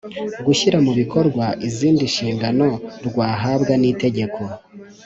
gushyira mu bikorwa izindi nshingano rwahabwa n’itegeko.